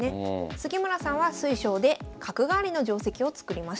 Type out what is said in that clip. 杉村さんは水匠で角換わりの定跡を作りました。